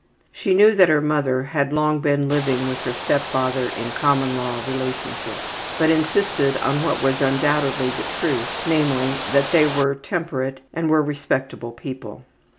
She knew that her mother had long been living with her step father in common law relationship, but insisted on what was undoubtedly the truth, namely, that they were temperate and very respectable people.